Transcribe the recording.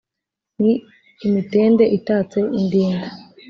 ni imitende itatse indinda